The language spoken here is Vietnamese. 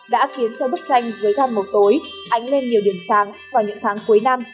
đã khiến cho bức tranh dưới than màu tối ánh lên nhiều điểm sáng vào những tháng cuối năm